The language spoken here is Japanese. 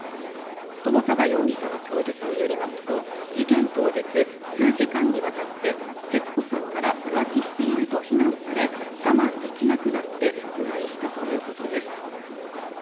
友貞容疑者の供述によりますと事件当日数時間にわたって、節子さんから浮気していると非難され我慢できなくなって殺害したということです。